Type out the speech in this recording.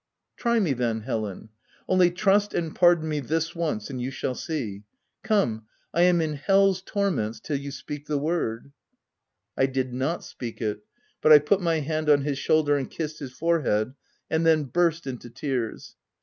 !? Try me then, Helen : only trust and pardon me this once, and you shall see ! Come, I am in hell's torments till you speak the word/' I did not speak it, but I put my hand on his shoulder and kissed his forehead, and then burst into tears.